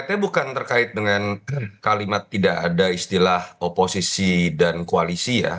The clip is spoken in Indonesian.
artinya bukan terkait dengan kalimat tidak ada istilah oposisi dan koalisi ya